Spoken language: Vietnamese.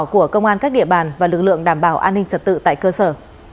của công an các địa bàn và lực lượng đảm bảo an ninh trật tự tại cơ sở